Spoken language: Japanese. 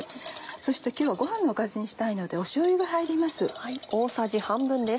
そして今日はご飯のおかずにしたいのでしょうゆが入ります。